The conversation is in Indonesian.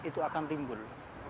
itu akan timbul